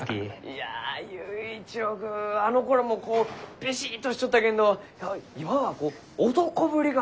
いや佑一郎君はあのころもこうビシッとしちょったけんど今はこう男ぶりが上がったのう！